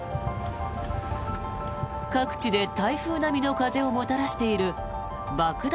各地で台風並みの風をもたらしている爆弾